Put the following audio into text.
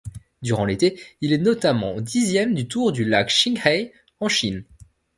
Durant l'été, il est notamment dixième du Tour du lac Qinghai, en Chine.